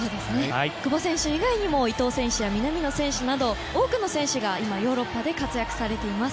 久保選手以外にも伊東選手や南野選手など多くの選手が今、ヨーロッパで活躍されています。